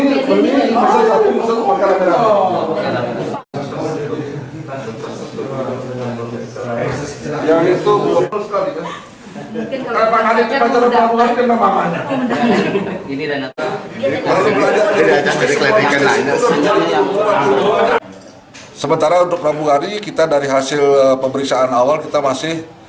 ini dan atau ini sementara untuk membuat kita dari hasil pemeriksaan awal kita masih